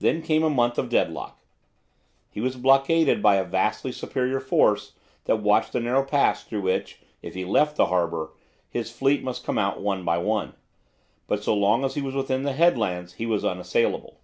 Then came a month of deadlock. He was blockaded by a vastly superior force that watched the narrow pass through which, if he left the harbour, his fleet must come out one by one. But so long as he was within the headlands he was unassailable.